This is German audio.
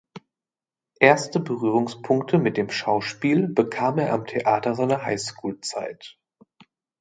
Erste Berührungspunkte mit dem Schauspiel bekam er am Theater seiner High School Zeit.